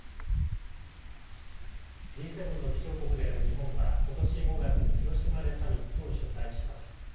Ｇ７の議長国である日本は今年５月に広島でサミットを主催します。